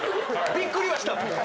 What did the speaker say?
⁉びっくりはしたと。